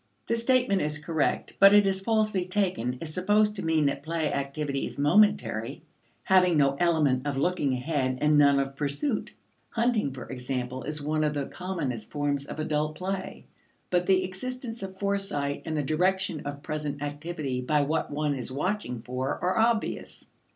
The statement is correct, but it is falsely taken, if supposed to mean that play activity is momentary, having no element of looking ahead and none of pursuit. Hunting, for example, is one of the commonest forms of adult play, but the existence of foresight and the direction of present activity by what one is watching for are obvious.